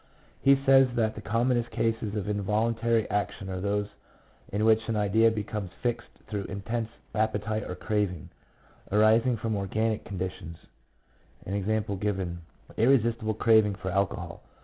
He says that the commonest cases of involuntary action are those in which an idea becomes fixed through intense appetite or craving, arising from organic con ditions — e.g., irresistible craving for alcohol.